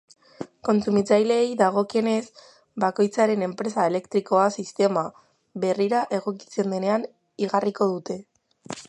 Kontsumitzaileei dagokienez, bakoitzaren enpresa elektrikoa sistema berrira egokitzen denean igarriko dute.